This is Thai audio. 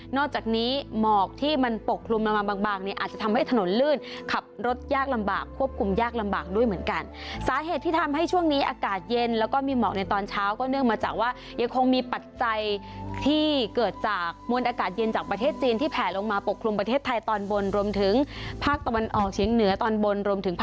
จากนี้หมอกที่มันปกคลุมลงมาบางบางเนี่ยอาจจะทำให้ถนนลื่นขับรถยากลำบากควบคุมยากลำบากด้วยเหมือนกันสาเหตุที่ทำให้ช่วงนี้อากาศเย็นแล้วก็มีหมอกในตอนเช้าก็เนื่องมาจากว่ายังคงมีปัจจัยที่เกิดจากมวลอากาศเย็นจากประเทศจีนที่แผลลงมาปกคลุมประเทศไทยตอนบนรวมถึงภาคตะวันออกเฉียงเหนือตอนบนรวมถึงพ